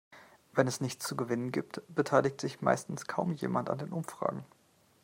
Wenn es nichts zu gewinnen gibt, beteiligt sich meistens kaum jemand an den Umfragen.